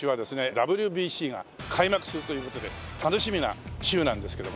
ＷＢＣが開幕するという事で楽しみな週なんですけどもね。